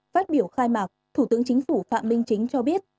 phát biểu khai mạc thủ tướng chính phủ phạm minh chính cho biết